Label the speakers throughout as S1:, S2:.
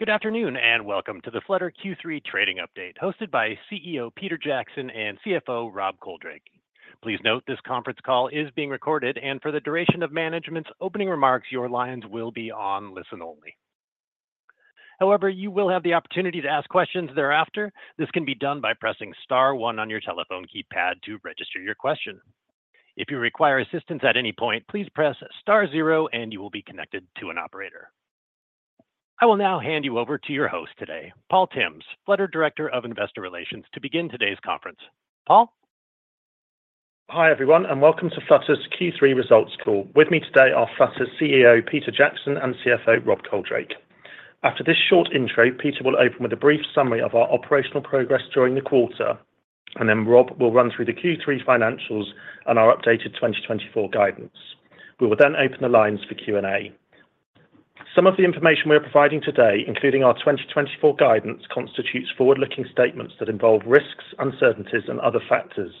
S1: Good afternoon and welcome to the Flutter Q3 Trading Update, hosted by CEO Peter Jackson and CFO Rob Coldrake. Please note this conference call is being recorded, and for the duration of management's opening remarks, your lines will be on listen only. However, you will have the opportunity to ask questions thereafter. This can be done by pressing star one on your telephone keypad to register your question. If you require assistance at any point, please press star zero, and you will be connected to an operator. I will now hand you over to your host today, Paul Tymms, Flutter Director of Investor Relations, to begin today's conference. Paul?
S2: Hi everyone, and welcome to Flutter's Q3 Results Call. With me today are Flutter's CEO Peter Jackson and CFO Rob Coldrake. After this short intro, Peter will open with a brief summary of our operational progress during the quarter, and then Rob will run through the Q3 financials and our updated 2024 guidance. We will then open the lines for Q&A. Some of the information we are providing today, including our 2024 guidance, constitutes forward-looking statements that involve risks, uncertainties, and other factors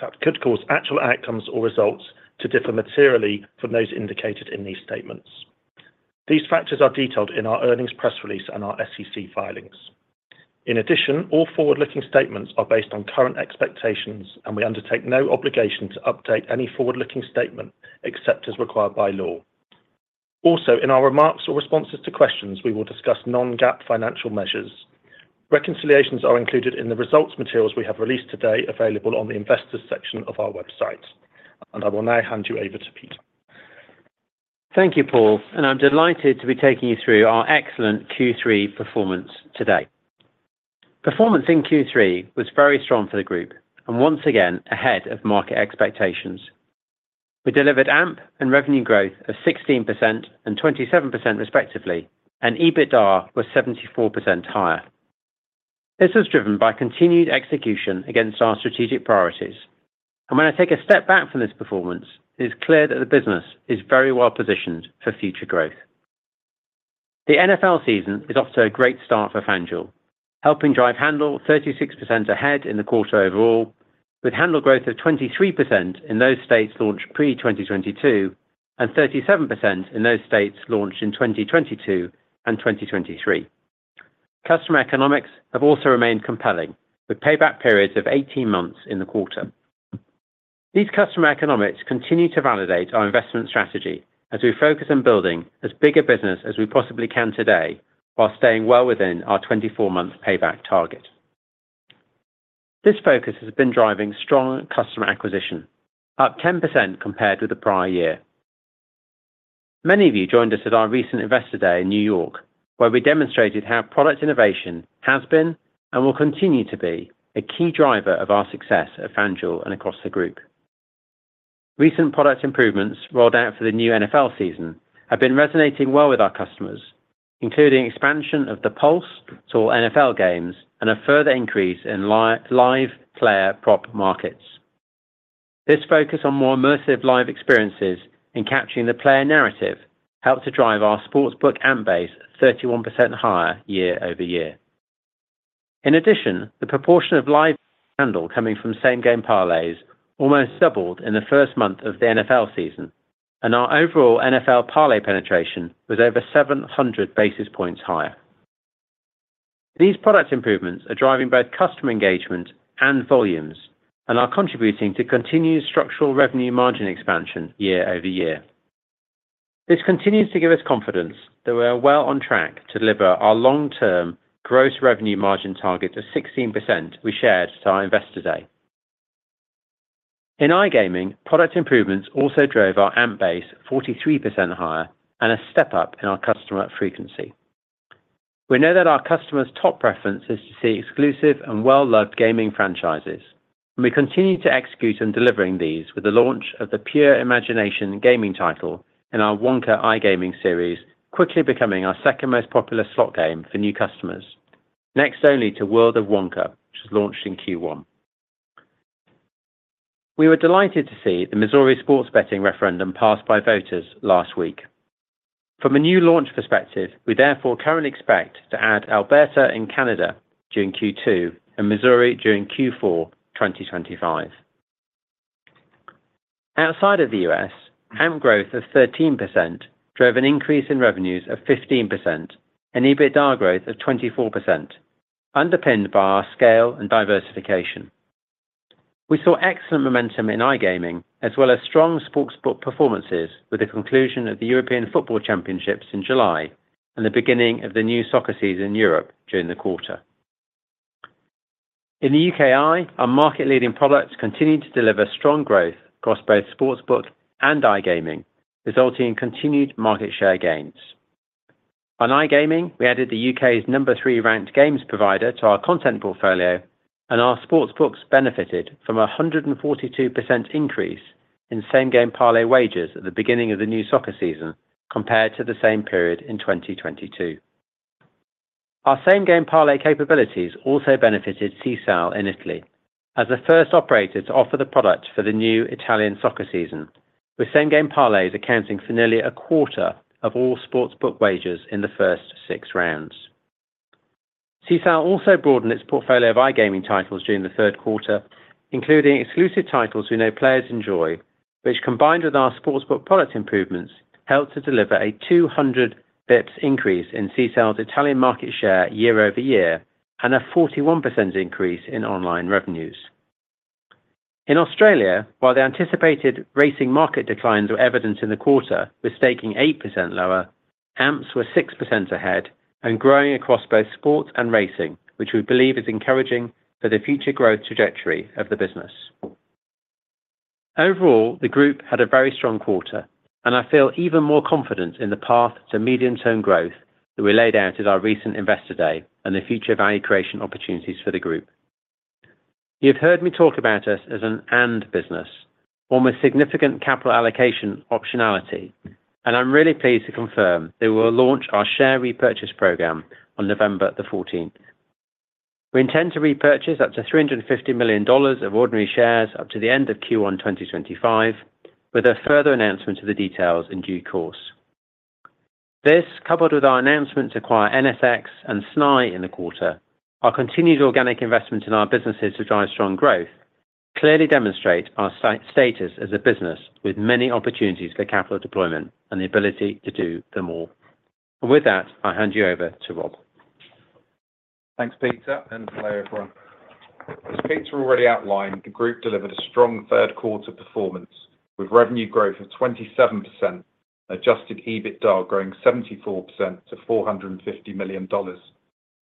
S2: that could cause actual outcomes or results to differ materially from those indicated in these statements. These factors are detailed in our earnings press release and our SEC filings. In addition, all forward-looking statements are based on current expectations, and we undertake no obligation to update any forward-looking statement except as required by law. Also, in our remarks or responses to questions, we will discuss non-GAAP financial measures. Reconciliations are included in the results materials we have released today, available on the Investors section of our website, and I will now hand you over to Peter.
S3: Thank you, Paul, and I'm delighted to be taking you through our excellent Q3 performance today. Performance in Q3 was very strong for the group, and once again ahead of market expectations. We delivered AMP and revenue growth of 16% and 27% respectively, and EBITDA was 74% higher. This was driven by continued execution against our strategic priorities, and when I take a step back from this performance, it is clear that the business is very well positioned for future growth. The NFL season is off to a great start for FanDuel, helping drive handle 36% ahead in the quarter overall, with handle growth of 23% in those states launched pre-2022 and 37% in those states launched in 2022 and 2023. Customer economics have also remained compelling, with payback periods of 18 months in the quarter. These customer economics continue to validate our investment strategy as we focus on building as big a business as we possibly can today, while staying well within our 24-month payback target. This focus has been driving strong customer acquisition, up 10% compared with the prior year. Many of you joined us at our recent Investor Day in New York, where we demonstrated how product innovation has been and will continue to be a key driver of our success at FanDuel and across the group. Recent product improvements rolled out for the new NFL season have been resonating well with our customers, including expansion of the Pulse to all NFL games and a further increase in live player prop markets. This focus on more immersive live experiences in capturing the player narrative helped to drive our sportsbook AMP base 31% higher year over year. In addition, the proportion of live handle coming from same-game parlays almost doubled in the first month of the NFL season, and our overall NFL parlay penetration was over 700 basis points higher. These product improvements are driving both customer engagement and volumes and are contributing to continued structural revenue margin expansion year over year. This continues to give us confidence that we are well on track to deliver our long-term gross revenue margin target of 16% we shared at our Investor Day. In iGaming, product improvements also drove our AMP base 43% higher and a step up in our customer frequency. We know that our customers' top preference is to see exclusive and well-loved gaming franchises, and we continue to execute on delivering these with the launch of the Pure Imagination gaming title in our Wonka iGaming series, quickly becoming our second most popular slot game for new customers, next only to World of Wonka, which was launched in Q1. We were delighted to see the Missouri sports betting referendum passed by voters last week. From a new launch perspective, we therefore currently expect to add Alberta in Canada during Q2 and Missouri during Q4 2025. Outside of the U.S., AMP growth of 13% drove an increase in revenues of 15% and EBITDA growth of 24%, underpinned by our scale and diversification. We saw excellent momentum in iGaming, as well as strong sportsbook performances with the conclusion of the European Football Championships in July and the beginning of the new soccer season in Europe during the quarter. In the U.K., our market-leading products continue to deliver strong growth across both sportsbook and iGaming, resulting in continued market share gains. On iGaming, we added the U.K.'s number three ranked games provider to our content portfolio, and our sportsbooks benefited from a 142% increase in same-game parlay wagers at the beginning of the new soccer season compared to the same period in 2022. Our same-game parlay capabilities also benefited Sisal in Italy as the first operator to offer the product for the new Italian soccer season, with same-game parlays accounting for nearly a quarter of all sportsbook wagers in the first six rounds. Sisal also broadened its portfolio of iGaming titles during the third quarter, including exclusive titles we know players enjoy, which combined with our sportsbook product improvements helped to deliver a 200 basis points increase in Sisal's Italian market share year over year and a 41% increase in online revenues. In Australia, while the anticipated racing market declines were evident in the quarter, we're staking 8% lower, AMPs were 6% ahead and growing across both sports and racing, which we believe is encouraging for the future growth trajectory of the business. Overall, the group had a very strong quarter, and I feel even more confident in the path to medium-term growth that we laid out at our recent Investor Day and the future value creation opportunities for the group. You've heard me talk about us as an AND business, almost significant capital allocation optionality, and I'm really pleased to confirm that we will launch our share repurchase program on November the 14th. We intend to repurchase up to $350 million of ordinary shares up to the end of Q1 2025, with a further announcement of the details in due course. This, coupled with our announcement to acquire NSX and SNAI in the quarter, our continued organic investments in our businesses to drive strong growth, clearly demonstrate our status as a business with many opportunities for capital deployment and the ability to do them all. And with that, I hand you over to Rob.
S4: Thanks, Peter, and hello everyone. As Peter already outlined, the group delivered a strong third quarter performance with revenue growth of 27%, adjusted EBITDA growing 74% to $450 million,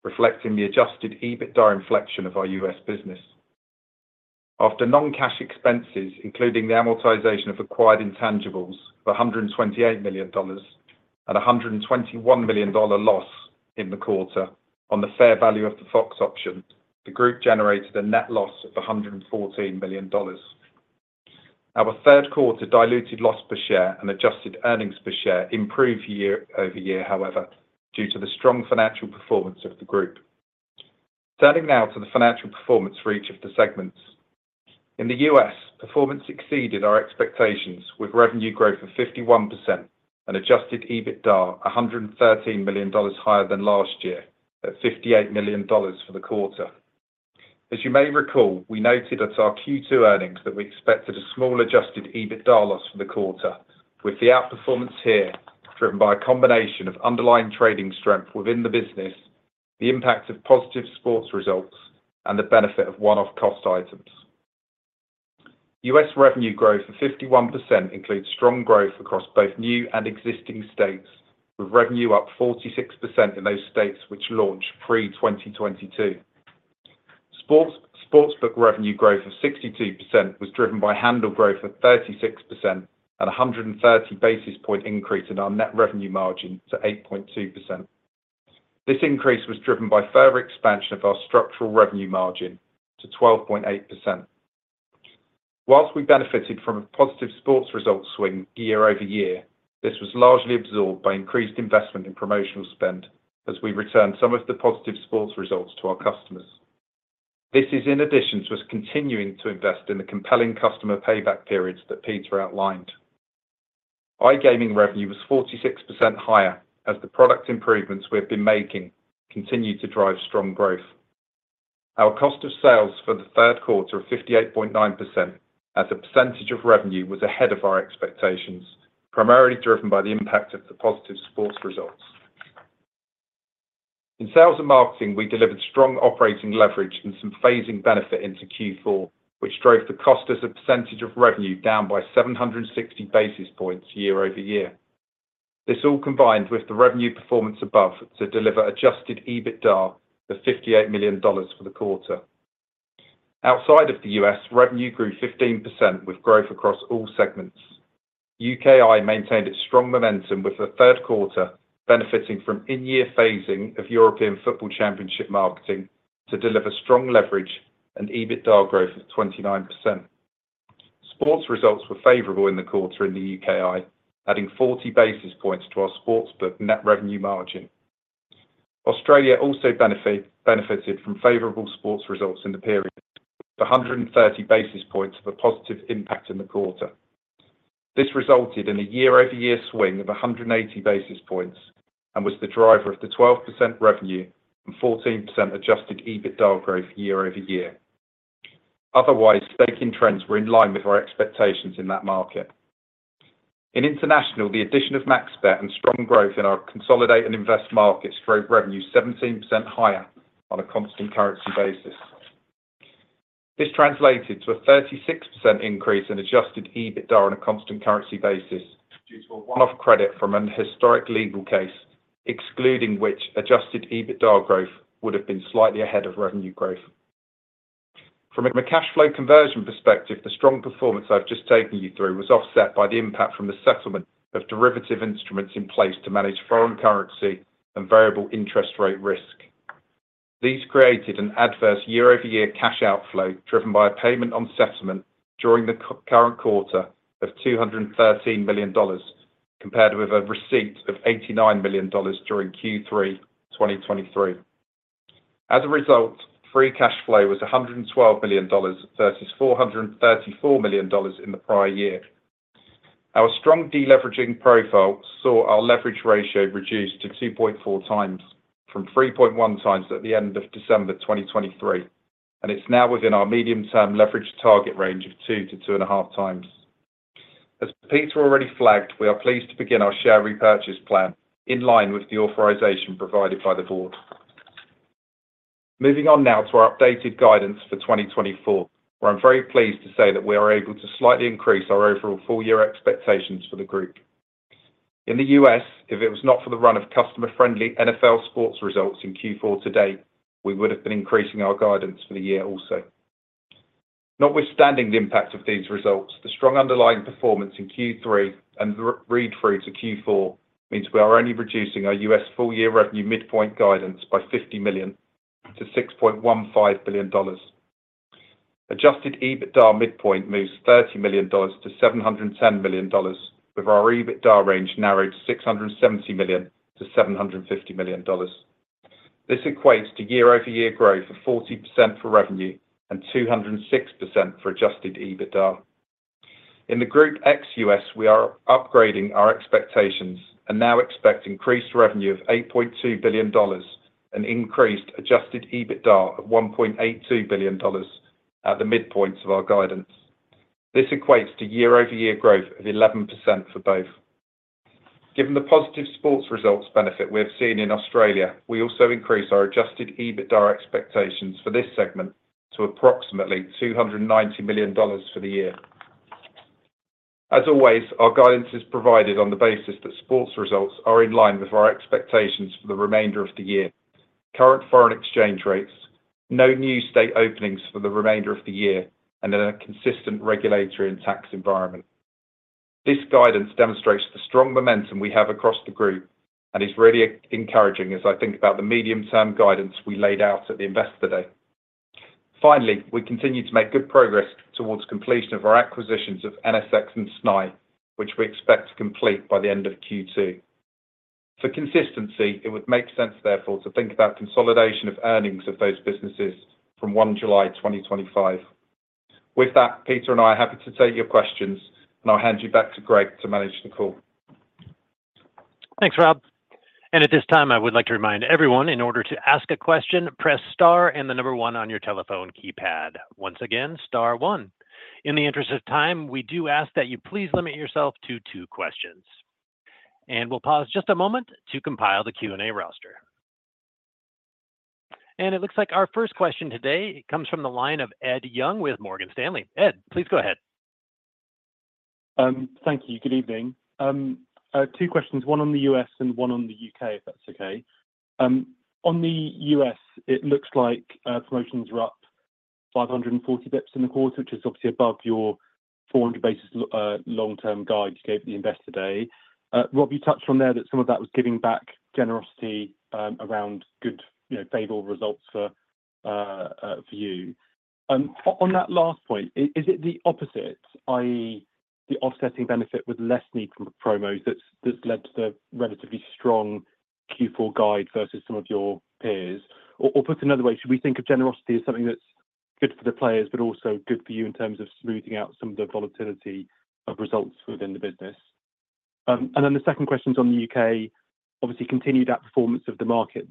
S4: reflecting the adjusted EBITDA inflection of our U.S. business. After non-cash expenses, including the amortization of acquired intangibles for $128 million and a $121 million loss in the quarter on the fair value of the Fox option, the group generated a net loss of $114 million. Our third quarter diluted loss per share and adjusted earnings per share improved year over year, however, due to the strong financial performance of the group. Turning now to the financial performance for each of the segments. In the U.S., performance exceeded our expectations with revenue growth of 51% and adjusted EBITDA $113 million higher than last year at $58 million for the quarter. As you may recall, we noted at our Q2 earnings that we expected a small adjusted EBITDA loss for the quarter, with the outperformance here driven by a combination of underlying trading strength within the business, the impact of positive sports results, and the benefit of one-off cost items. U.S. revenue growth of 51% includes strong growth across both new and existing states, with revenue up 46% in those states which launched pre-2022. Sportsbook revenue growth of 62% was driven by handle growth of 36% and a 130 basis point increase in our net revenue margin to 8.2%. This increase was driven by further expansion of our structural revenue margin to 12.8%. While we benefited from a positive sports results swing year over year, this was largely absorbed by increased investment in promotional spend as we returned some of the positive sports results to our customers. This is in addition to us continuing to invest in the compelling customer payback periods that Peter outlined. iGaming revenue was 46% higher as the product improvements we have been making continue to drive strong growth. Our cost of sales for the third quarter of 58.9% as a percentage of revenue was ahead of our expectations, primarily driven by the impact of the positive sports results. In sales and marketing, we delivered strong operating leverage and some phasing benefit into Q4, which drove the cost as a percentage of revenue down by 760 basis points year over year. This all combined with the revenue performance above to deliver Adjusted EBITDA of $58 million for the quarter. Outside of the U.S., revenue grew 15% with growth across all segments. UKI maintained its strong momentum with the third quarter, benefiting from in-year phasing of European Football Championship marketing to deliver strong leverage and EBITDA growth of 29%. Sports results were favorable in the quarter in the UKI, adding 40 basis points to our sportsbook net revenue margin. Australia also benefited from favorable sports results in the period, with 130 basis points of a positive impact in the quarter. This resulted in a year-over-year swing of 180 basis points and was the driver of the 12% revenue and 14% adjusted EBITDA growth year over year. Otherwise, staking trends were in line with our expectations in that market. In international, the addition of MaxBet and strong growth in our consolidate and invest markets drove revenue 17% higher on a constant currency basis. This translated to a 36% increase in Adjusted EBITDA on a constant currency basis due to a one-off credit from a historic legal case, excluding which Adjusted EBITDA growth would have been slightly ahead of revenue growth. From a cash flow conversion perspective, the strong performance I've just taken you through was offset by the impact from the settlement of derivative instruments in place to manage foreign currency and variable interest rate risk. These created an adverse year-over-year cash outflow driven by a payment on settlement during the current quarter of $213 million, compared with a receipt of $89 million during Q3 2023. As a result, Free Cash Flow was $112 million versus $434 million in the prior year. Our strong deleveraging profile saw our leverage ratio reduced to 2.4x from 3.x at the end of December 2023, and it's now within our medium-term leverage target range of 2-2.5x. As Peter already flagged, we are pleased to begin our share repurchase plan in line with the authorization provided by the board. Moving on now to our updated guidance for 2024, where I'm very pleased to say that we are able to slightly increase our overall full-year expectations for the group. In the U.S., if it was not for the run of customer-friendly NFL sports results in Q4 to date, we would have been increasing our guidance for the year also. Notwithstanding the impact of these results, the strong underlying performance in Q3 and the read-through to Q4 means we are only reducing our U.S. full-year revenue midpoint guidance by $50 million to $6.15 billion. Adjusted EBITDA midpoint moves $30 million-$710 million, with our EBITDA range narrowed to $670 million-$750 million. This equates to year-over-year growth of 40% for revenue and 206% for adjusted EBITDA. In the group ex-U.S., we are upgrading our expectations and now expect increased revenue of $8.2 billion and increased adjusted EBITDA of $1.82 billion at the midpoints of our guidance. This equates to year-over-year growth of 11% for both. Given the positive sports results benefit we have seen in Australia, we also increase our adjusted EBITDA expectations for this segment to approximately $290 million for the year. As always, our guidance is provided on the basis that sports results are in line with our expectations for the remainder of the year, current foreign exchange rates, no new state openings for the remainder of the year, and in a consistent regulatory and tax environment. This guidance demonstrates the strong momentum we have across the group and is really encouraging as I think about the medium-term guidance we laid out at the Investor Day. Finally, we continue to make good progress towards completion of our acquisitions of NSX and SNAI, which we expect to complete by the end of Q2. For consistency, it would make sense, therefore, to think about consolidation of earnings of those businesses from 1 July 2025. With that, Peter and I are happy to take your questions, and I'll hand you back to Greg to manage the call.
S1: Thanks, Rob. And at this time, I would like to remind everyone in order to ask a question, press Star and the number one on your telephone keypad. Once again, star one. In the interest of time, we do ask that you please limit yourself to two questions. And we'll pause just a moment to compile the Q&A roster. And it looks like our first question today comes from the line of Ed Young with Morgan Stanley. Ed, please go ahead.
S5: Thank you. Good evening. Two questions, one on the U.S. and one on the U.K., if that's okay. On the U.S., it looks like promotions were up 540 basis points in the quarter, which is obviously above your 400 basis points long-term guide you gave at the Investor Day. Rob, you touched on there that some of that was giving back generosity around good favorable results for you. On that last point, is it the opposite, i.e., the offsetting benefit with less need for promos that's led to the relatively strong Q4 guide versus some of your peers? Or put another way, should we think of generosity as something that's good for the players, but also good for you in terms of smoothing out some of the volatility of results within the business? And then the second question is on the U.K. Obviously, continued outperformance of the market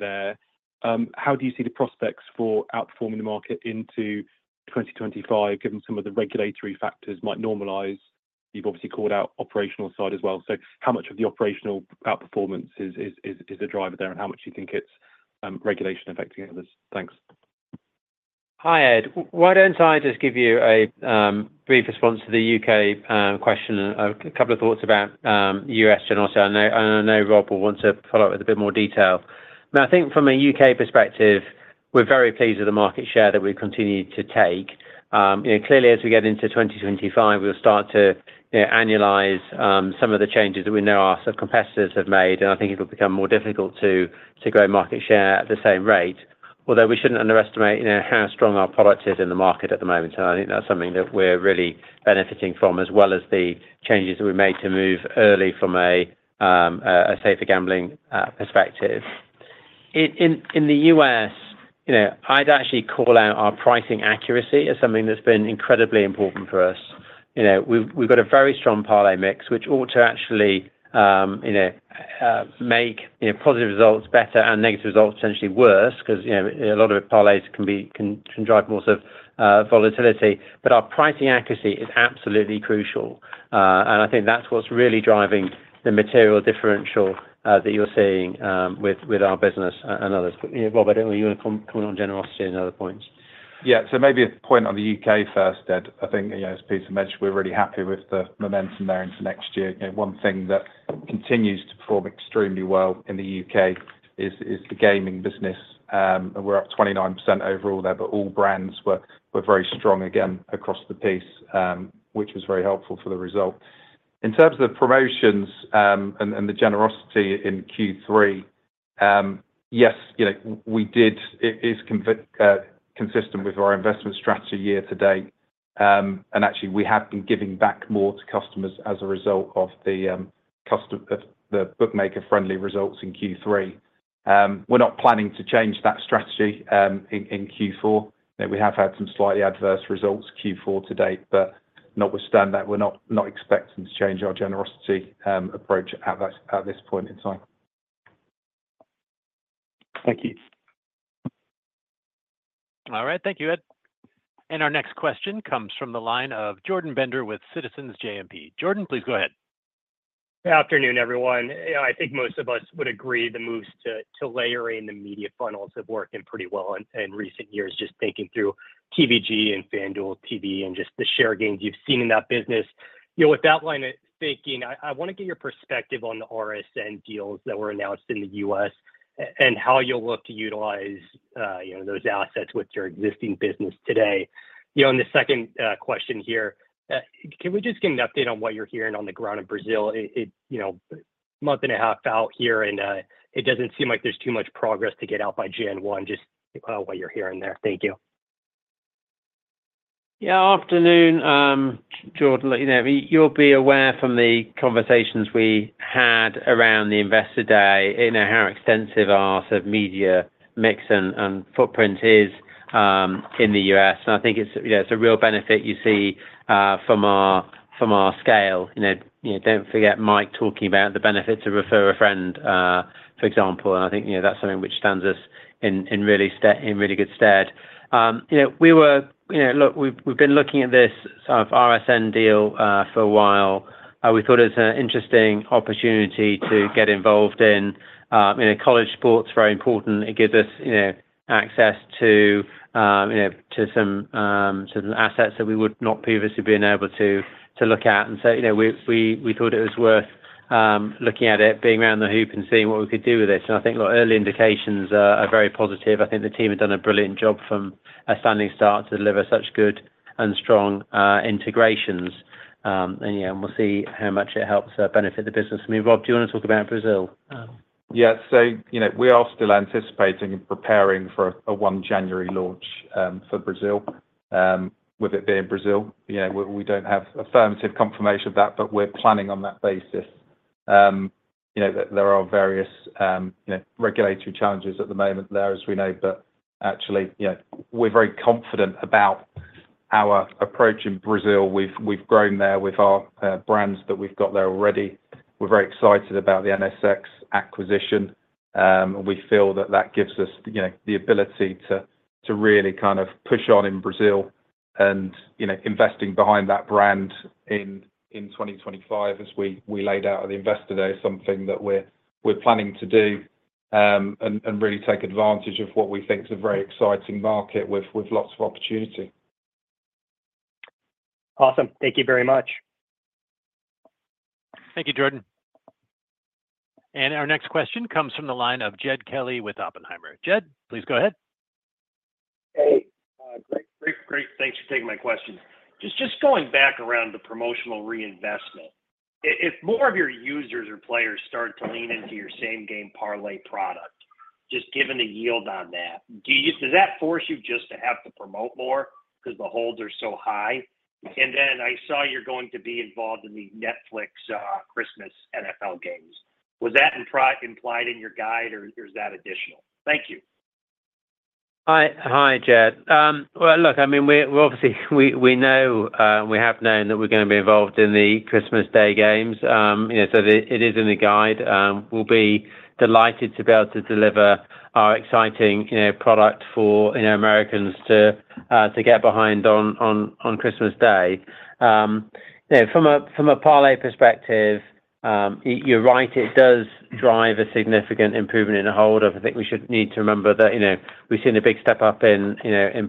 S5: there. How do you see the prospects for outperforming the market into 2025, given some of the regulatory factors might normalize? You've obviously called out operational side as well. So how much of the operational outperformance is the driver there, and how much do you think it's regulation affecting others? Thanks.
S3: Hi, Ed. Why don't I just give you a brief response to the U.K. question and a couple of thoughts about U.S. generosity? And I know Rob will want to follow up with a bit more detail. I think from a U.K. perspective, we're very pleased with the market share that we've continued to take. Clearly, as we get into 2025, we'll start to annualize some of the changes that we know our competitors have made, and I think it'll become more difficult to grow market share at the same rate. Although we shouldn't underestimate how strong our product is in the market at the moment, and I think that's something that we're really benefiting from, as well as the changes that we made to move early from a safer gambling perspective. In the U.S., I'd actually call out our pricing accuracy as something that's been incredibly important for us. We've got a very strong parlay mix, which ought to actually make positive results better and negative results potentially worse, because a lot of parlays can drive more sort of volatility. But our pricing accuracy is absolutely crucial, and I think that's what's really driving the material differential that you're seeing with our business and others. But Rob, I don't know if you want to comment on generosity and other points.
S4: Yeah, so maybe a point on the U.K. first, Ed. I think, as Peter mentioned, we're really happy with the momentum there into next year. One thing that continues to perform extremely well in the U.K. is the gaming business. We're up 29% overall there, but all brands were very strong again across the piece, which was very helpful for the result. In terms of the promotions and the generosity in Q3, yes, we did. It is consistent with our investment strategy year to date. And actually, we have been giving back more to customers as a result of the bookmaker-friendly results in Q3. We're not planning to change that strategy in Q4. We have had some slightly adverse results Q4 to date, but notwithstanding that, we're not expecting to change our generosity approach at this point in time.
S5: Thank you.
S1: All right, thank you, Ed. And our next question comes from the line of Jordan Bender with Citizens JMP. Jordan, please go ahead.
S6: Good afternoon, everyone. I think most of us would agree the moves to layering the media funnels have worked pretty well in recent years, just thinking through TVG and FanDuel TV and just the share gains you've seen in that business. With that line of thinking, I want to get your perspective on the RSN deals that were announced in the U.S. and how you'll look to utilize those assets with your existing business today. On the second question here, can we just get an update on what you're hearing on the ground in Brazil? A month and a half out here, and it doesn't seem like there's too much progress to get out by January 1, just what you're hearing there. Thank you.
S3: Yeah, afternoon, Jordan. You'll be aware from the conversations we had around the Investor Day how extensive our sort of media mix and footprint is in the U.S. And I think it's a real benefit you see from our scale. Don't forget Mike talking about the benefits of Refer a Friend, for example. And I think that's something which stands us in really good stead. We've been looking at this sort of RSN deal for a while. We thought it was an interesting opportunity to get involved in. College sports are very important. It gives us access to some assets that we would not previously have been able to look at. And so we thought it was worth looking at it, being around the hoop, and seeing what we could do with it. And I think early indications are very positive. I think the team have done a brilliant job from a standing start to deliver such good and strong integrations, and we'll see how much it helps benefit the business. I mean, Rob, do you want to talk about Brazil?
S4: Yeah, so we are still anticipating and preparing for a January 1 launch for Brazil, with it being Brazil. We don't have affirmative confirmation of that, but we're planning on that basis. There are various regulatory challenges at the moment there, as we know, but actually, we're very confident about our approach in Brazil. We've grown there with our brands that we've got there already. We're very excited about the NSX acquisition. We feel that that gives us the ability to really kind of push on in Brazil and investing behind that brand in 2025, as we laid out at the Investor Day, is something that we're planning to do and really take advantage of what we think is a very exciting market with lots of opportunity.
S6: Awesome. Thank you very much.
S3: Thank you, Jordan.
S1: And our next question comes from the line of Jed Kelly with Oppenheimer. Jed, please go ahead.
S7: Hey, great. Thanks for taking my question. Just going back around the promotional reinvestment, if more of your users or players start to lean into your same game parlay product, just given the yield on that, does that force you just to have to promote more because the holds are so high, and then I saw you're going to be involved in the Netflix Christmas NFL games. Was that implied in your guide, or is that additional? Thank you.
S3: Hi, Jed. Well, look, I mean, obviously, we know and we have known that we're going to be involved in the Christmas Day games. So it is in the guide. We'll be delighted to be able to deliver our exciting product for Americans to get behind on Christmas Day. From a parlay perspective, you're right, it does drive a significant improvement in the hold. I think we should need to remember that we've seen a big step up in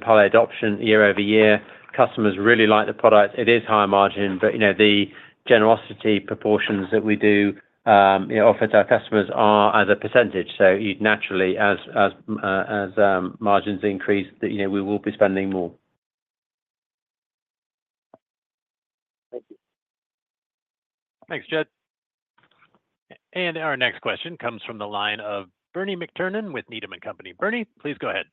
S3: parlay adoption year over year. Customers really like the product. It is high margin, but the generous promotions that we do offer to our customers are a percentage. So naturally, as margins increase, we will be spending more.
S8: Thank you.
S3: Thanks, Jed.
S1: And our next question comes from the line of Bernie McTernan with Needham & Company. Bernie, please go ahead.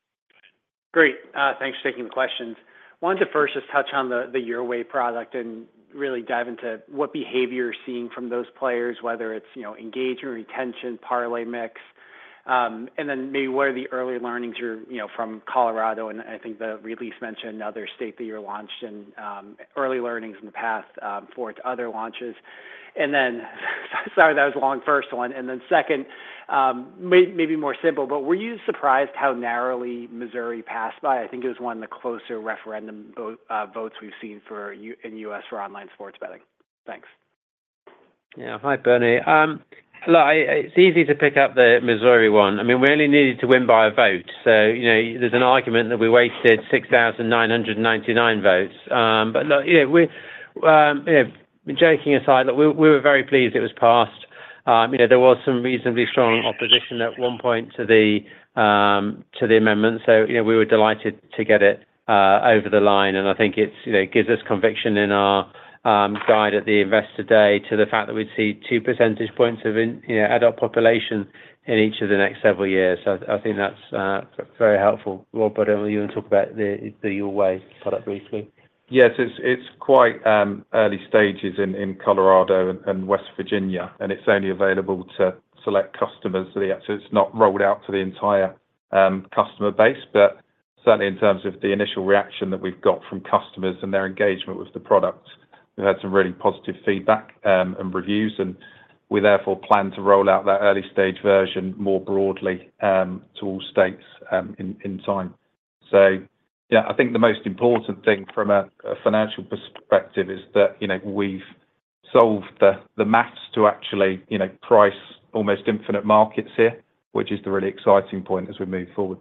S9: Great. Thanks for taking the questions. Wanted to first just touch on the Your Way product and really dive into what behavior you're seeing from those players, whether it's engagement, retention, parlay mix. And then maybe what are the early learnings from Colorado? And I think the release mentioned another state that you launched and early learnings in the past for other launches. And then sorry, that was a long first one. And then second, maybe more simple, but were you surprised how narrowly Missouri passed by? I think it was one of the closer referendum votes we've seen in the U.S. for online sports betting. Thanks.
S3: Yeah, hi, Bernie. Look, it's easy to pick up the Missouri one. I mean, we only needed to win by a vote. So there's an argument that we wasted 6,999 votes. But look, joking aside, we were very pleased it was passed. There was some reasonably strong opposition at one point to the amendment. So we were delighted to get it over the line. And I think it gives us conviction in our guide at the Investor Day to the fact that we'd see 2 percentage points of adult population in each of the next several years. I think that's very helpful. Rob, why don't you talk about the Your Way product briefly?
S4: Yeah, so it's quite early stages in Colorado and West Virginia, and it's only available to select customers. So it's not rolled out to the entire customer base. But certainly, in terms of the initial reaction that we've got from customers and their engagement with the product, we've had some really positive feedback and reviews. And we therefore plan to roll out that early-stage version more broadly to all states in time. So yeah, I think the most important thing from a financial perspective is that we've solved the math to actually price almost infinite markets here, which is the really exciting point as we move forward.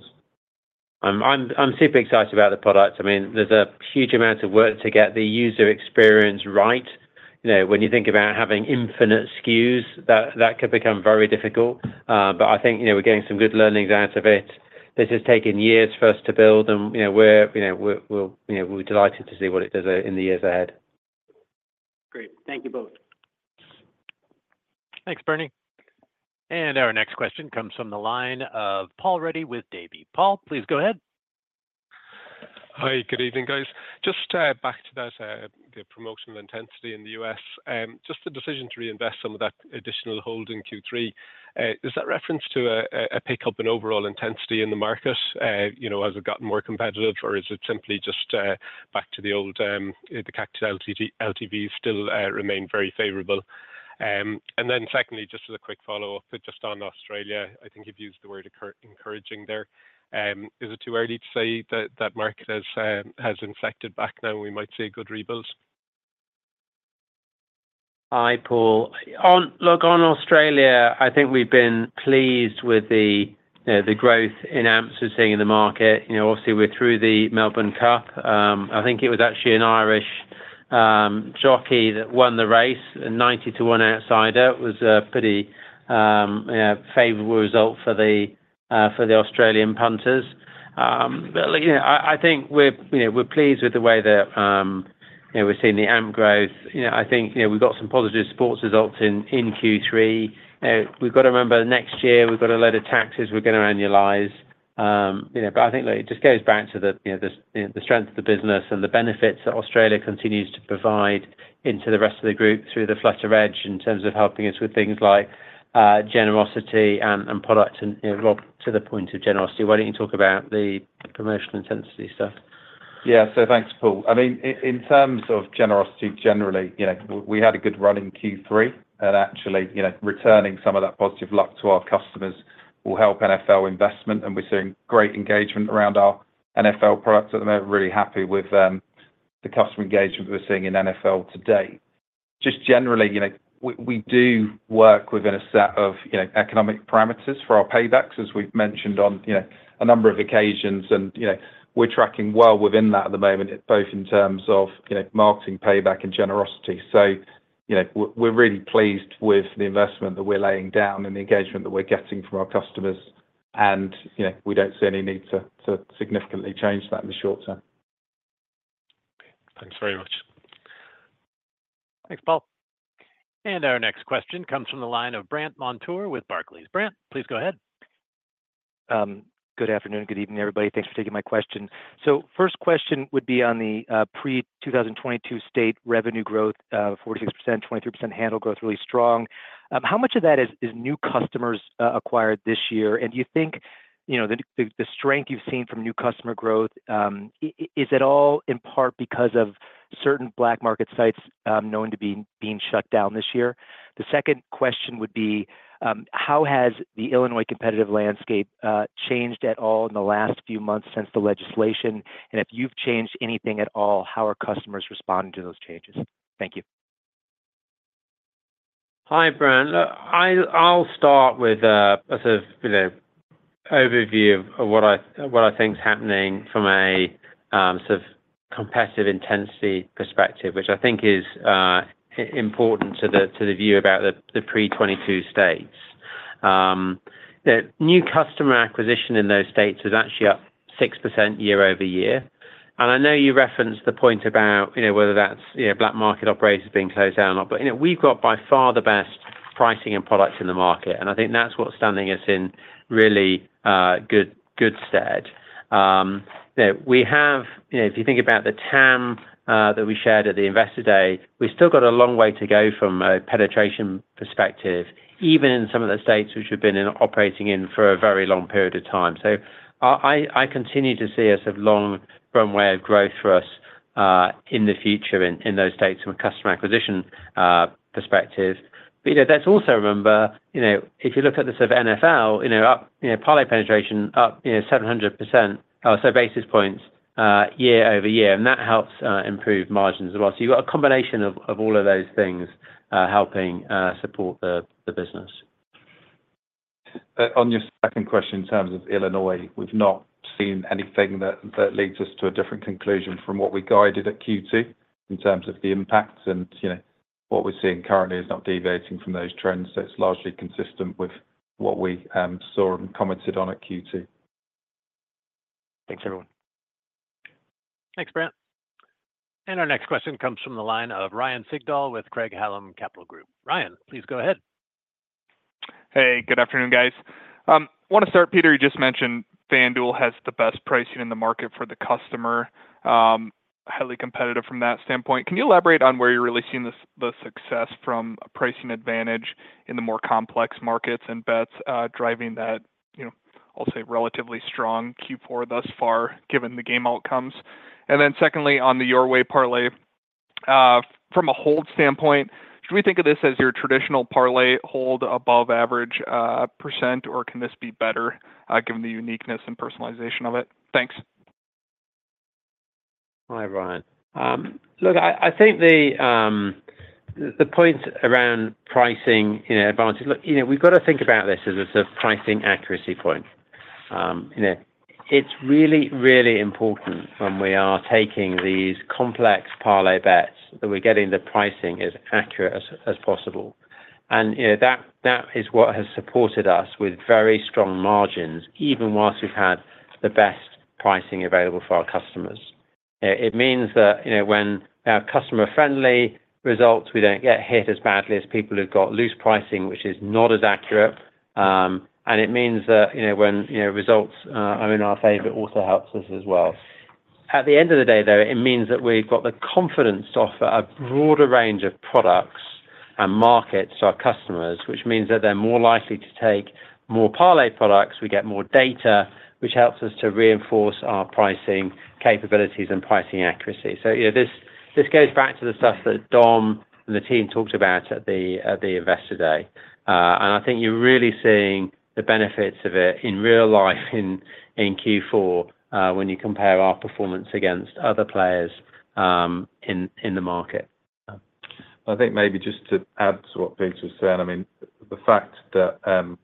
S3: I'm super excited about the product. I mean, there's a huge amount of work to get the user experience right. When you think about having infinite SKUs, that could become very difficult. But I think we're getting some good learnings out of it. This has taken years for us to build, and we're delighted to see what it does in the years ahead.
S9: Great. Thank you both.
S1: Thanks, Bernie, and our next question comes from the line of Paul Ruddy with Davy. Paul, please go ahead.
S10: Hi, good evening, guys. Just back to the promotional intensity in the U.S., just the decision to reinvest some of that additional hold in Q3, is that reference to a pickup in overall intensity in the market as it's gotten more competitive, or is it simply just back to the old, the CAC to LTVs still remain very favorable? And then secondly, just as a quick follow-up, just on Australia, I think you've used the word encouraging there. Is it too early to say that that market has inflected back now, and we might see good rebounds?
S3: Hi, Paul. Look, on Australia, I think we've been pleased with the growth in amps we're seeing in the market. Obviously, we're through the Melbourne Cup. I think it was actually an Irish jockey that won the race, a 90-to-1 outsider. It was a pretty favorable result for the Australian punters. But I think we're pleased with the way that we're seeing the amp growth. I think we've got some positive sports results in Q3. We've got to remember, next year, we've got a load of taxes we're going to annualize. But I think it just goes back to the strength of the business and the benefits that Australia continues to provide into the rest of the group through the Flutter Edge in terms of helping us with things like generosity and product. And Rob, to the point of generosity, why don't you talk about the promotional intensity stuff?
S4: Yeah, so thanks, Paul. I mean, in terms of generosity generally, we had a good run in Q3, and actually returning some of that positive luck to our customers will help NFL investment. And we're seeing great engagement around our NFL products at the moment. Really happy with the customer engagement we're seeing in NFL today. Just generally, we do work within a set of economic parameters for our paybacks, as we've mentioned on a number of occasions. And we're tracking well within that at the moment, both in terms of marketing payback and generosity. So we're really pleased with the investment that we're laying down and the engagement that we're getting from our customers. And we don't see any need to significantly change that in the short term.
S10: Thanks very much.
S3: Thanks, Paul.
S1: And our next question comes from the line of Brandt Montour with Barclays. Brandt, please go ahead.
S11: Good afternoon. Good evening, everybody. Thanks for taking my question. So first question would be on the pre-2022 state revenue growth, 46%, 23% handle growth, really strong. How much of that is new customers acquired this year? And do you think the strength you've seen from new customer growth, is it all in part because of certain black market sites known to be being shut down this year? The second question would be, how has the Illinois competitive landscape changed at all in the last few months since the legislation? And if you've changed anything at all, how are customers responding to those changes? Thank you.
S3: Hi, Brant. I'll start with a sort of overview of what I think's happening from a sort of competitive intensity perspective, which I think is important to the view about the pre-22 states. New customer acquisition in those states is actually up 6% year over year, and I know you referenced the point about whether that's black market operators being closed down or not, but we've got by far the best pricing and products in the market, and I think that's what's standing us in really good stead. We have, if you think about the TAM that we shared at the Investor Day, we've still got a long way to go from a penetration perspective, even in some of the states which we've been operating in for a very long period of time. So I continue to see a sort of long runway of growth for us in the future in those states from a customer acquisition perspective. But that's also, remember, if you look at the sort of NFL, parlay penetration up 700 basis points or so year over year. And that helps improve margins as well. So you've got a combination of all of those things helping support the business.
S4: On your second question in terms of Illinois, we've not seen anything that leads us to a different conclusion from what we guided at Q2 in terms of the impact, and what we're seeing currently is not deviating from those trends, so it's largely consistent with what we saw and commented on at Q2.
S11: Thanks, everyone.
S3: Thanks, Brent.
S1: And our next question comes from the line of Ryan Sigdahl with Craig-Hallum Capital Group. Ryan, please go ahead.
S12: Hey, good afternoon, guys. I want to start, Peter. You just mentioned FanDuel has the best pricing in the market for the customer, highly competitive from that standpoint. Can you elaborate on where you're really seeing the success from a pricing advantage in the more complex markets and bets driving that, I'll say, relatively strong Q4 thus far, given the game outcomes? And then secondly, on the Your Way parlay, from a hold standpoint, should we think of this as your traditional parlay hold above average percent, or can this be better given the uniqueness and personalization of it? Thanks.
S3: Hi, Ryan. Look, I think the point around pricing advantage, look, we've got to think about this as a sort of pricing accuracy point. It's really, really important when we are taking these complex parlay bets that we're getting the pricing as accurate as possible. And that is what has supported us with very strong margins, even while we've had the best pricing available for our customers. It means that when they are customer-friendly results, we don't get hit as badly as people who've got loose pricing, which is not as accurate. And it means that when results are in our favor, it also helps us as well. At the end of the day, though, it means that we've got the confidence to offer a broader range of products and markets to our customers, which means that they're more likely to take more parlay products. We get more data, which helps us to reinforce our pricing capabilities and pricing accuracy. So this goes back to the stuff that Dom and the team talked about at the Investor Day. And I think you're really seeing the benefits of it in real life in Q4 when you compare our performance against other players in the market.
S4: I think maybe just to add to what Peter's saying, I mean, the fact that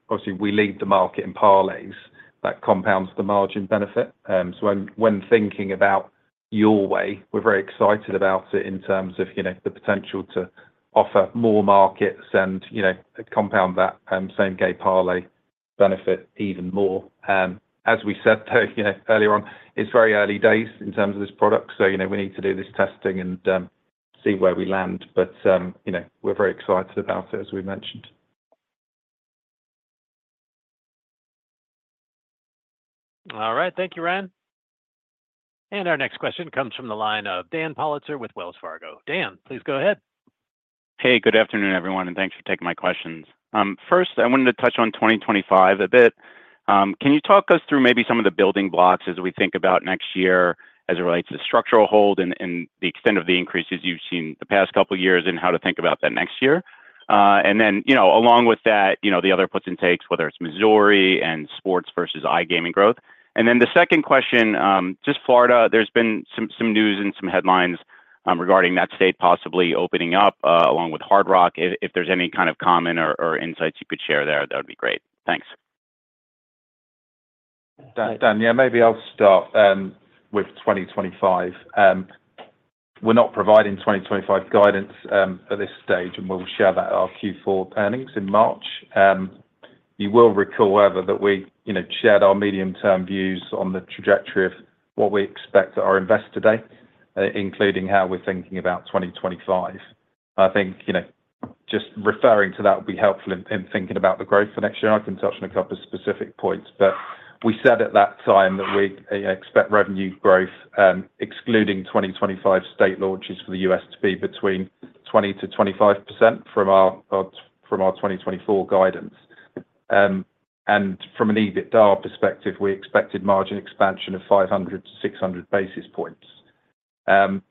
S4: obviously we lead the market in parlays that compounds the margin benefit. So when thinking about Your Way, we're very excited about it in terms of the potential to offer more markets and compound that same game parlay benefit even more. As we said earlier on, it's very early days in terms of this product. So we need to do this testing and see where we land. But we're very excited about it, as we mentioned.
S12: All right.
S3: Thank you, Ryan.
S1: And our next question comes from the line of Dan Politzer with Wells Fargo. Dan, please go ahead.
S13: Hey, good afternoon, everyone, and thanks for taking my questions. First, I wanted to touch on 2025 a bit. Can you talk us through maybe some of the building blocks as we think about next year as it relates to structural hold and the extent of the increases you've seen the past couple of years and how to think about that next year? And then along with that, the other puts and takes, whether it's Missouri and sports versus iGaming growth. And then the second question, just Florida, there's been some news and some headlines regarding that state possibly opening up along with Hard Rock. If there's any kind of comment or insights you could share there, that would be great. Thanks.
S4: Dan, yeah, maybe I'll start with 2025. We're not providing 2025 guidance at this stage, and we'll share that in our Q4 earnings in March. You will recall, however, that we shared our medium-term views on the trajectory of what we expect at our Investor Day, including how we're thinking about 2025. I think just referring to that would be helpful in thinking about the growth for next year. I can touch on a couple of specific points. But we said at that time that we expect revenue growth, excluding 2025 state launches for the U.S., to be between 20% to 25% from our 2024 guidance. And from an EBITDA perspective, we expected margin expansion of 500 to 600 basis points. In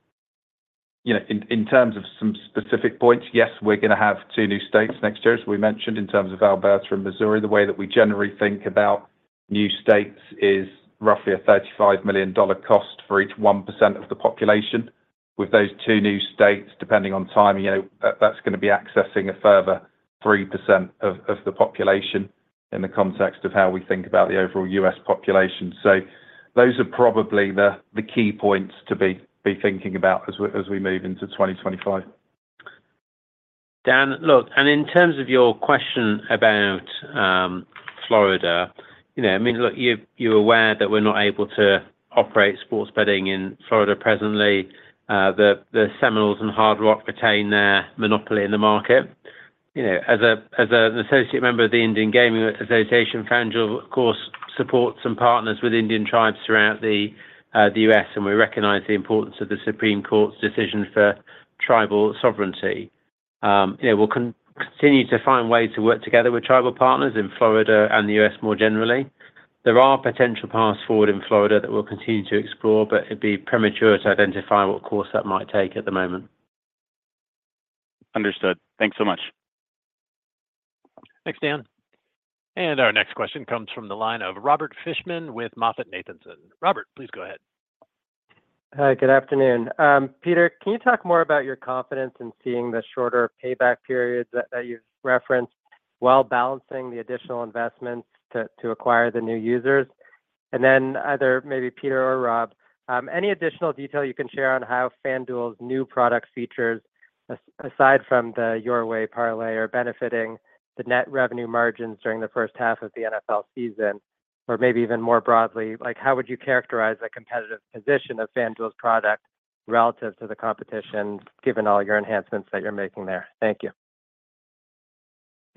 S4: terms of some specific points, yes, we're going to have two new states next year, as we mentioned, in terms of Alberta and Missouri. The way that we generally think about new states is roughly a $35 million cost for each 1% of the population. With those two new states, depending on timing, that's going to be accessing a further 3% of the population in the context of how we think about the overall U.S. population. So those are probably the key points to be thinking about as we move into 2025.
S3: Dan, look, and in terms of your question about Florida, I mean, look, you're aware that we're not able to operate sports betting in Florida presently. The Seminoles and Hard Rock retain their monopoly in the market. As an associate member of the Indian Gaming Association, FanDuel, of course, supports and partners with Indian tribes throughout the U.S., and we recognize the importance of the Supreme Court's decision for tribal sovereignty. We'll continue to find ways to work together with tribal partners in Florida and the U.S. more generally. There are potential paths forward in Florida that we'll continue to explore, but it'd be premature to identify what course that might take at the moment.
S13: Understood. Thanks so much.
S3: Thanks, Dan.
S1: And our next question comes from the line of Robert Fishman with MoffettNathanson. Robert, please go ahead.
S14: Hi, good afternoon. Peter, can you talk more about your confidence in seeing the shorter payback periods that you've referenced while balancing the additional investments to acquire the new users? And then either maybe Peter or Rob, any additional detail you can share on how FanDuel's new product features, aside from the Your Way parlay, are benefiting the net revenue margins during the first half of the NFL season? Or maybe even more broadly, how would you characterize the competitive position of FanDuel's product relative to the competition, given all your enhancements that you're making there? Thank you.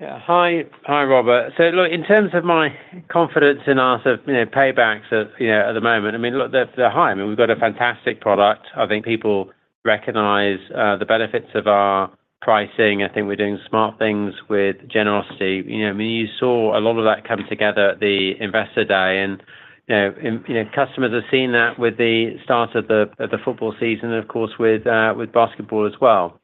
S3: Yeah. Hi, Robert. So look, in terms of my confidence in our sort of paybacks at the moment, I mean, look, they're high. I mean, we've got a fantastic product. I think people recognize the benefits of our pricing. I think we're doing smart things with generosity. I mean, you saw a lot of that come together at the Investor Day, and customers have seen that with the start of the football season, of course, with basketball as well.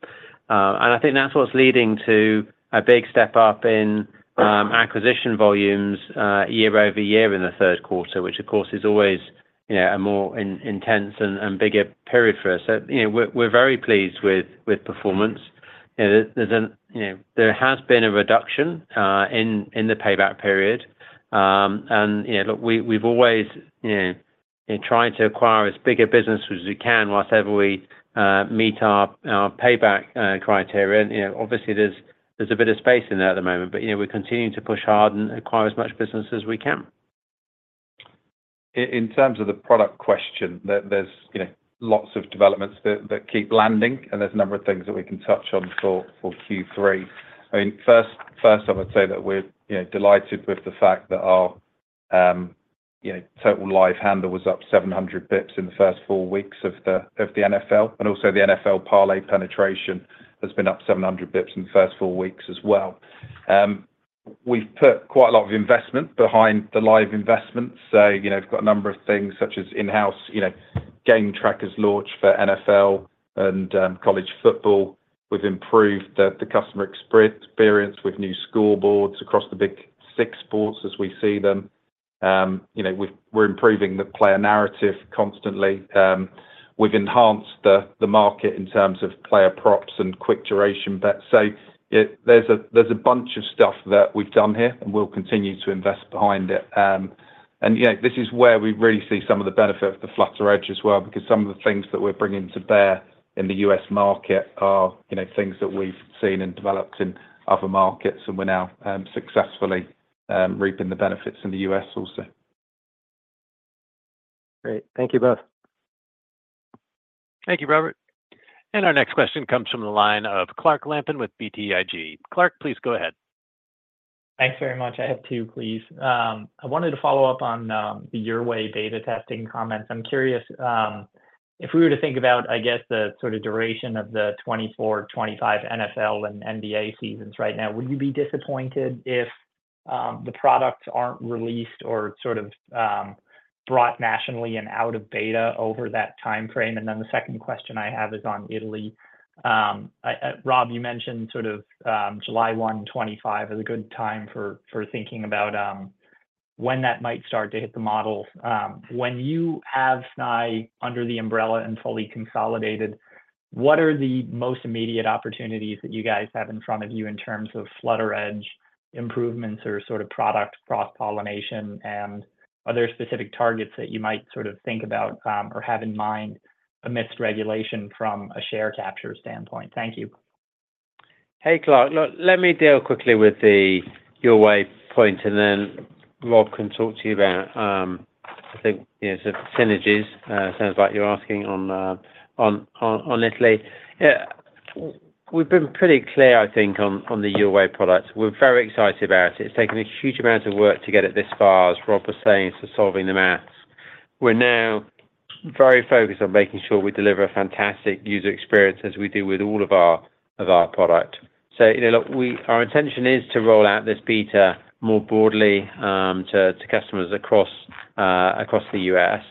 S3: And I think that's what's leading to a big step up in acquisition volumes year over year in the third quarter, which, of course, is always a more intense and bigger period for us. So we're very pleased with performance. There has been a reduction in the payback period. And look, we've always tried to acquire as big a business as we can whilst ever we meet our payback criteria. Obviously, there's a bit of space in there at the moment, but we're continuing to push hard and acquire as much business as we can.
S4: In terms of the product question, there's lots of developments that keep landing, and there's a number of things that we can touch on for Q3. I mean, first, I would say that we're delighted with the fact that our total live handle was up 700 basis points in the first four weeks of the NFL. And also, the NFL parlay penetration has been up 700 basis points in the first four weeks as well. We've put quite a lot of investment behind the live investments. So we've got a number of things such as in-house game trackers launch for NFL and college football. We've improved the customer experience with new scoreboards across the big six sports as we see them. We're improving the player narrative constantly. We've enhanced the market in terms of player props and quick duration bets. So there's a bunch of stuff that we've done here, and we'll continue to invest behind it. And this is where we really see some of the benefit of the Flutter Edge as well, because some of the things that we're bringing to bear in the U.S. market are things that we've seen and developed in other markets, and we're now successfully reaping the benefits in the U.S. also.
S14: Great. Thank you both.
S3: Thank you, Robert.
S1: And our next question comes from the line of Clark Lampen with BTIG. Clark, please go ahead.
S15: Thanks very much. I have two, please. I wanted to follow up on the Your Way beta testing comments. I'm curious, if we were to think about, I guess, the sort of duration of the 2024, 2025 NFL and NBA seasons right now, would you be disappointed if the products aren't released or sort of brought nationally and out of beta over that time frame? And then the second question I have is on Italy. Rob, you mentioned sort of July 1, 2025 is a good time for thinking about when that might start to hit the model. When you have Snaitech under the umbrella and fully consolidated, what are the most immediate opportunities that you guys have in front of you in terms of Flutter Edge improvements or sort of product cross-pollination and other specific targets that you might sort of think about or have in mind amidst regulation from a share capture standpoint? Thank you.
S3: Hey, Clark. Look, let me deal quickly with the Your Way point, and then Rob can talk to you about, I think, sort of synergies. Sounds like you're asking on Italy. We've been pretty clear, I think, on the Your Way products. We're very excited about it. It's taken a huge amount of work to get it this far, as Rob was saying, so solving the math. We're now very focused on making sure we deliver a fantastic user experience as we do with all of our product. So look, our intention is to roll out this beta more broadly to customers across the U.S.,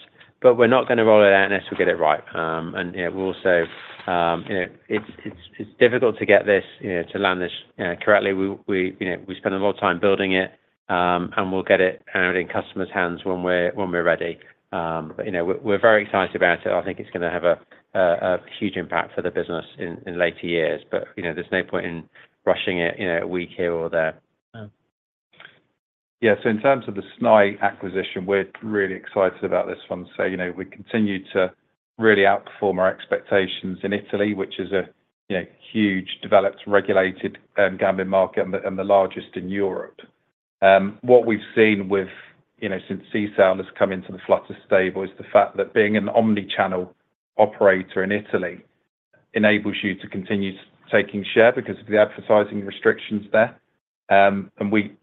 S3: but we're not going to roll it out unless we get it right. And we'll say it's difficult to get this to land this correctly. We spend a lot of time building it, and we'll get it out in customers' hands when we're ready. But we're very excited about it. I think it's going to have a huge impact for the business in later years, but there's no point in rushing it a week here or there.
S4: Yeah. So in terms of the SNAI acquisition, we're really excited about this one. So we continue to really outperform our expectations in Italy, which is a huge developed regulated gambling market and the largest in Europe. What we've seen since Sisal has come into the Flutter stable is the fact that being an omnichannel operator in Italy enables you to continue taking share because of the advertising restrictions there. And we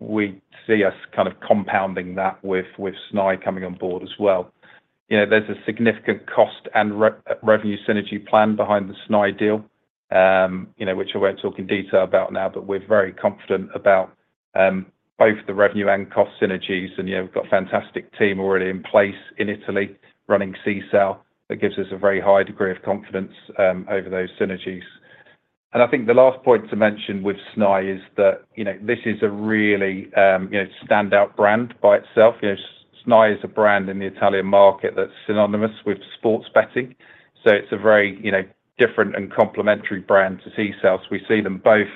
S4: see us kind of compounding that with SNAI coming on board as well. There's a significant cost and revenue synergy plan behind the SNAI deal, which I won't talk in detail about now, but we're very confident about both the revenue and cost synergies. And we've got a fantastic team already in place in Italy running Sisal that gives us a very high degree of confidence over those synergies. And I think the last point to mention with SNAI is that this is a really standout brand by itself. SNAI is a brand in the Italian market that's synonymous with sports betting. So it's a very different and complementary brand to Sisal. We see them both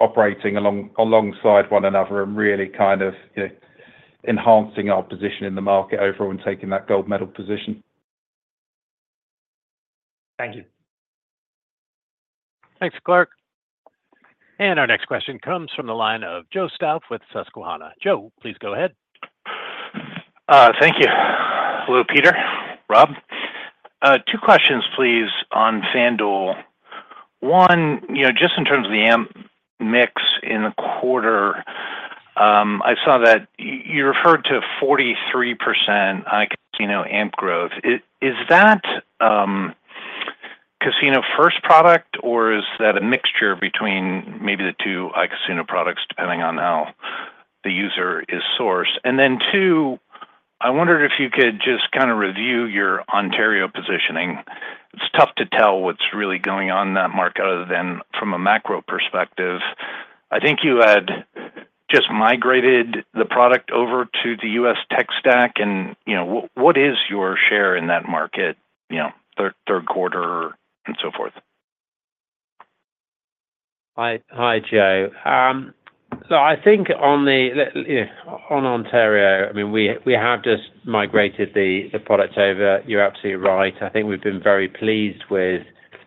S4: operating alongside one another and really kind of enhancing our position in the market overall and taking that gold medal position.
S15: Thank you.
S3: Thanks, Clark.
S1: And our next question comes from the line of Joe Stauff with Susquehanna. Joe, please go ahead.
S16: Thank you. Hello, Peter. Rob. Two questions, please, on FanDuel. One, just in terms of the AMP mix in the quarter, I saw that you referred to 43% iCasino AMP growth. Is that Casino First product, or is that a mixture between maybe the two iCasino products, depending on how the user is sourced? And then two, I wondered if you could just kind of review your Ontario positioning. It's tough to tell what's really going on in that market other than from a macro perspective. I think you had just migrated the product over to the U.S. tech stack. And what is your share in that market third quarter and so forth?
S3: Hi, Joe. So I think on Ontario, I mean, we have just migrated the product over. You're absolutely right. I think we've been very pleased with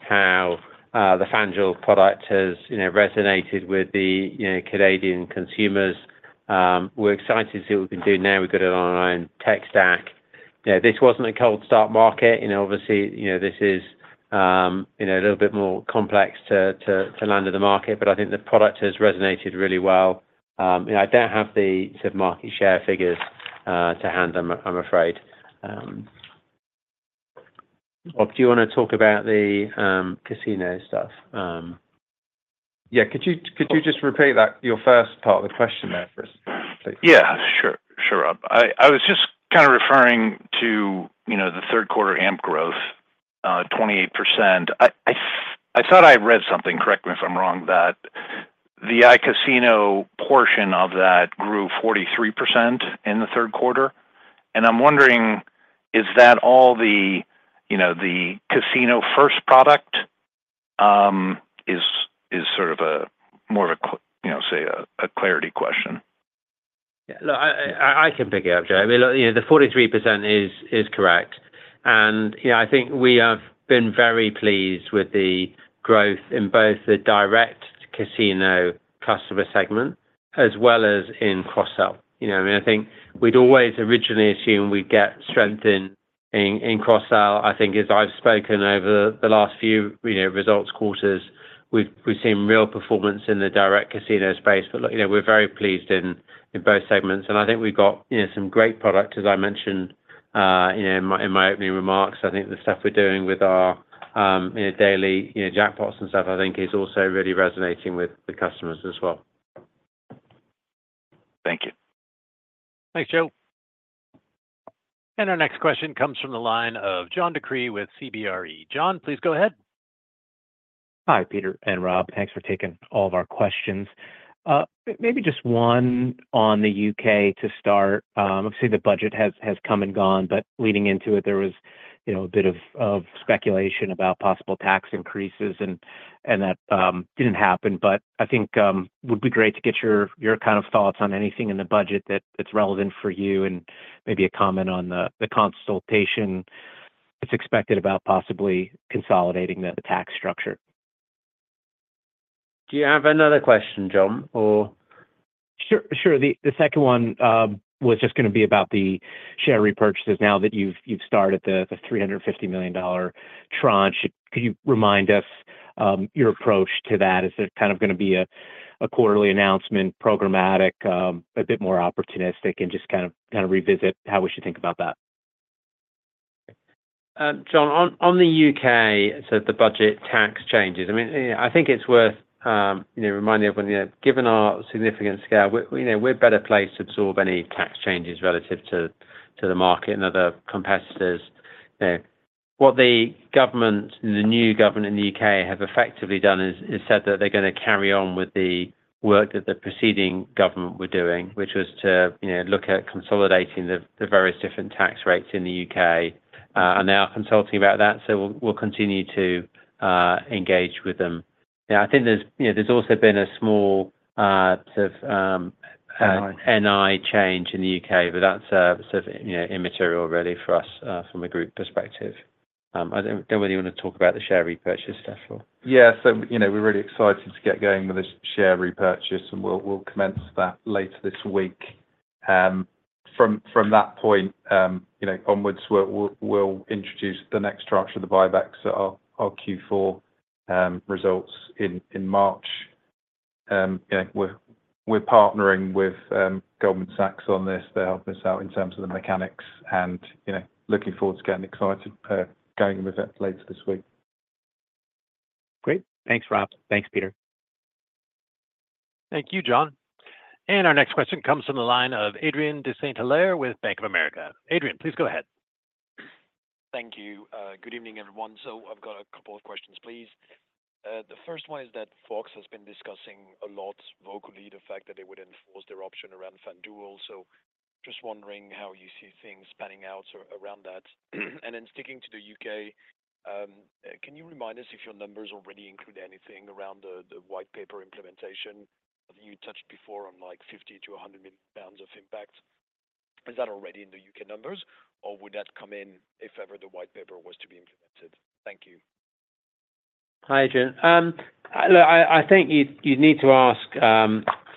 S3: how the FanDuel product has resonated with the Canadian consumers. We're excited to see what we can do now. We've got it on our own tech stack. This wasn't a cold start market. Obviously, this is a little bit more complex to land in the market, but I think the product has resonated really well. I don't have the sort of market share figures to hand them, I'm afraid. Rob, do you want to talk about the casino stuff?
S4: Yeah. Could you just repeat your first part of the question there for us, please?
S16: Yeah. Sure. Sure, Rob. I was just kind of referring to the third quarter AMP growth, 28%. I thought I read something, correct me if I'm wrong, that the iCasino portion of that grew 43% in the third quarter. And I'm wondering, is that all the Casino First product? Is sort of more of a, say, a clarity question?
S3: Yeah. Look, I can pick it up, Joe. I mean, look, the 43% is correct. And I think we have been very pleased with the growth in both the direct casino customer segment as well as in cross-sell. I mean, I think we'd always originally assumed we'd get strength in cross-sell. I think as I've spoken over the last few results quarters, we've seen real performance in the direct casino space. But look, we're very pleased in both segments. And I think we've got some great product, as I mentioned in my opening remarks. I think the stuff we're doing with our daily jackpots and stuff, I think, is also really resonating with customers as well.
S16: Thank you.
S3: Thanks, Joe.
S1: And our next question comes from the line of John DeCree with CBRE. John, please go ahead.
S17: Hi, Peter and Rob. Thanks for taking all of our questions. Maybe just one on the U.K. to start. Obviously, the budget has come and gone, but leading into it, there was a bit of speculation about possible tax increases, and that didn't happen. But I think it would be great to get your kind of thoughts on anything in the budget that's relevant for you and maybe a comment on the consultation that's expected about possibly consolidating the tax structure.
S3: Do you have another question, John, or?
S17: Sure. Sure. The second one was just going to be about the share repurchases now that you've started the $350 million tranche. Could you remind us your approach to that? Is it kind of going to be a quarterly announcement, programmatic, a bit more opportunistic, and just kind of revisit how we should think about that?
S3: John, on the U.K., so the budget tax changes, I mean, I think it's worth reminding everyone, given our significant scale, we're a better place to absorb any tax changes relative to the market and other competitors. What the government, the new government in the U.K., have effectively done is said that they're going to carry on with the work that the preceding government were doing, which was to look at consolidating the various different tax rates in the U.K. And they are consulting about that, so we'll continue to engage with them. I think there's also been a small sort of NI change in the U.K., but that's sort of immaterial really for us from a group perspective. I don't really want to talk about the share repurchase stuff, or.
S4: Yeah. So we're really excited to get going with this share repurchase, and we'll commence that later this week. From that point onwards, we'll introduce the next tranche of the buybacks at our Q4 results in March. We're partnering with Goldman Sachs on this. They're helping us out in terms of the mechanics, and looking forward to getting excited going with it later this week.
S17: Great. Thanks, Rob. Thanks, Peter.
S3: Thank you, John.
S1: And our next question comes from the line of Adrien de Saint-Hilaire with Bank of America. Adrian, please go ahead.
S18: Thank you. Good evening, everyone. So I've got a couple of questions, please. The first one is that Fox has been discussing a lot vocally the fact that they would enforce their option around FanDuel, so just wondering how you see things panning out around that. And then sticking to the U.K., can you remind us if your numbers already include anything around the white paper implementation? You touched before on like 50 to 100 million pounds of impact. Is that already in the U.K. numbers, or would that come in if ever the white paper was to be implemented? Thank you.
S3: Hi, Adrian. Look, I think you'd need to ask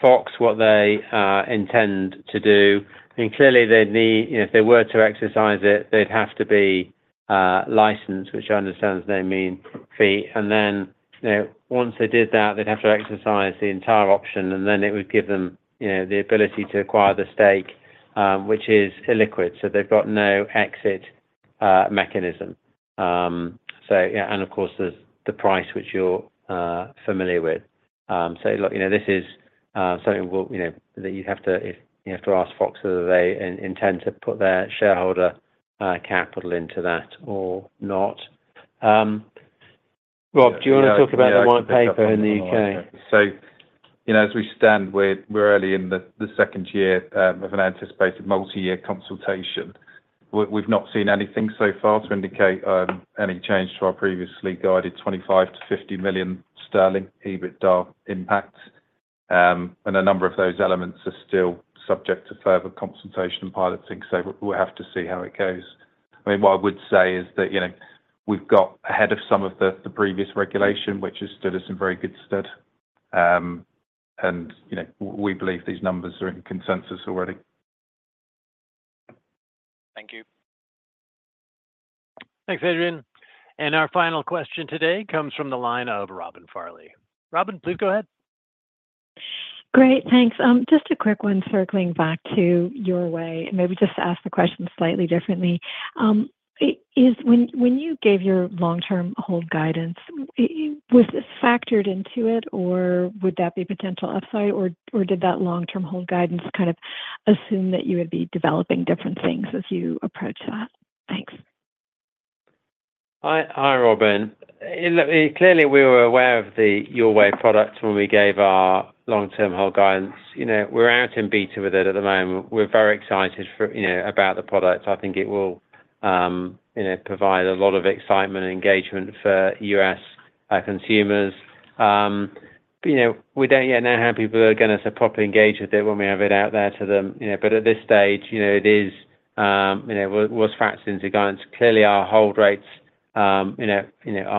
S3: Fox what they intend to do. I mean, clearly, if they were to exercise it, they'd have to be licensed, which I understand is in the meantime. And then once they did that, they'd have to exercise the entire option, and then it would give them the ability to acquire the stake, which is illiquid, so they've got no exit mechanism. And of course, there's the price, which you're familiar with. So look, this is something that you'd have to ask Fox whether they intend to put their shareholder capital into that or not. Rob, do you want to talk about the white paper in the U.K.?
S4: So as we stand, we're early in the second year of an anticipated multi-year consultation. We've not seen anything so far to indicate any change to our previously guided 25 million-50 million sterling EBITDA impact. And a number of those elements are still subject to further consultation and piloting, so we'll have to see how it goes. I mean, what I would say is that we've got ahead of some of the previous regulation, which has stood us in very good stead. And we believe these numbers are in consensus already.
S3: Thank you.
S1: Thanks, Adrian, and our final question today comes from the line of Robin Farley. Robin, please go ahead.
S19: Great. Thanks. Just a quick one circling back to Your Way, maybe just to ask the question slightly differently. When you gave your long-term hold guidance, was this factored into it, or would that be potential upside, or did that long-term hold guidance kind of assume that you would be developing different things as you approach that? Thanks.
S3: Hi, Robin. Clearly, we were aware of the Your Way product when we gave our long-term hold guidance. We're out in beta with it at the moment. We're very excited about the product. I think it will provide a lot of excitement and engagement for U.S. consumers. We don't yet know how people are going to properly engage with it when we have it out there to them. But at this stage, it is what's factored into guidance. Clearly, our hold rates are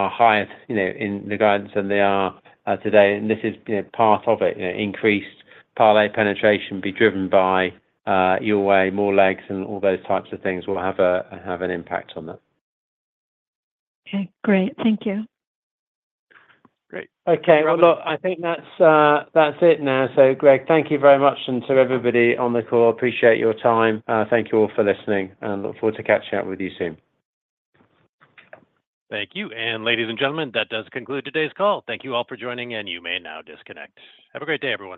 S3: higher in the guidance than they are today. And this is part of it. Increased parlay penetration be driven by Your Way, more legs, and all those types of things will have an impact on that.
S19: Okay. Great. Thank you.
S3: Great. Okay. Well, look, I think that's it now. So Greg, thank you very much, and to everybody on the call, appreciate your time. Thank you all for listening, and look forward to catching up with you soon.
S1: Thank you. And ladies and gentlemen, that does conclude today's call. Thank you all for joining, and you may now disconnect. Have a great day everyone.